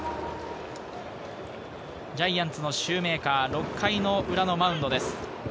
ジャイアンツのシューメーカー、６回の裏のマウンドです。